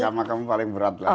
sama kamu paling berat lah